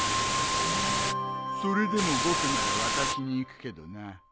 それでも僕なら渡しに行くけどな。